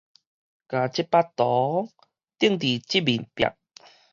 共這幅圖釘佇這面壁